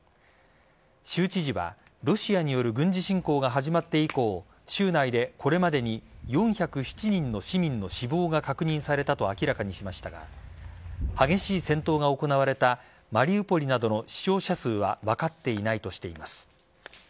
州知事はロシアによる軍事侵攻が始まって以降州内でこれまでに４０７人の市民の死亡が確認されたと明らかにしましたが激しい戦闘が行われたマリウポリなどの死傷者数は分かっていないとしています。